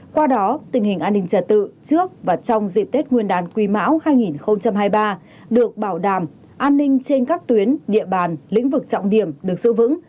qua đó tình hình an ninh trật tự trước và trong dịp tết nguyên đán quý mão hai nghìn hai mươi ba được bảo đảm an ninh trên các tuyến địa bàn lĩnh vực trọng điểm được giữ vững